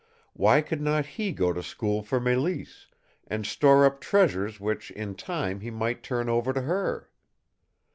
Why could not he go to school for Mélisse, and store up treasures which in time he might turn over to her?